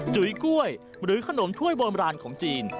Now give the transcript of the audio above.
จุ๋ยกล้วยหรือขนมถ้วยโบราณของจีน